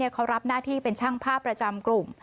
เขารับหน้าที่เป็นช่างภาพประจำกลุ่ม